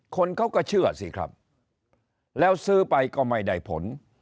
คนเขาก็เชื่อสิครับแล้วซื้อไปก็ไม่ได้ผล